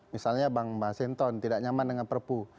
misalnya bang mas hinton tidak nyaman dengan perpu